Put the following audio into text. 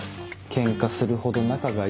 ケンカするほど仲がいい。